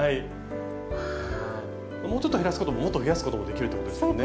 もうちょっと減らすことももっと増やすこともできるってことですね。